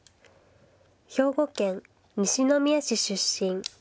兵庫県西宮市出身。